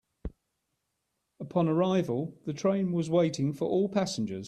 Upon arrival, the train was waiting for all passengers.